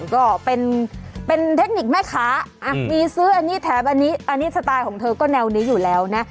ก็เป็นเทคนิคแม่ค้ามีซื้ออันนี้แถมอันนี้อันนี้สไตล์ของเธอก็แนวนี้อยู่แล้วนะ